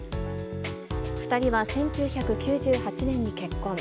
２人は１９９８年に結婚。